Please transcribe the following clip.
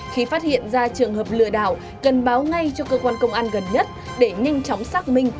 khi phát hiện ra trường hợp lừa đảo cần báo ngay cho cơ quan công an gần nhất để nhanh chóng xác minh